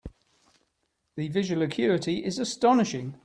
The visual acuity is astonishing.